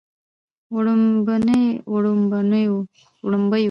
وړومبني وړومبيو